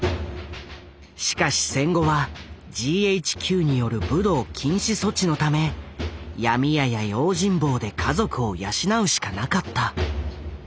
しかし戦後はＧＨＱによる武道禁止措置のため闇屋や用心棒で家族を養うしかなかった。